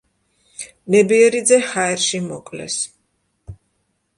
ნებიერიძე ჰაერში მოკლეს.